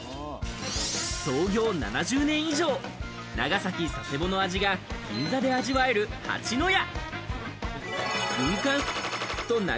創業７０年以上、長崎・佐世保の味が銀座で味わえる蜂の家。